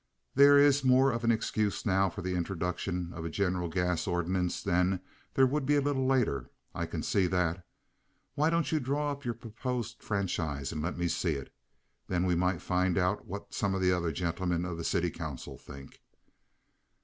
There is more of an excuse now for the introduction of a general gas ordinance than there would be a little later—I can see that. Why don't you draw up your proposed franchise and let me see it? Then we might find out what some of the other gentlemen of the city council think."